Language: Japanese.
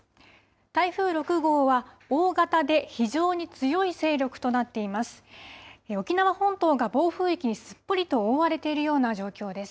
台風６号は大型で非常に強い勢力となっています。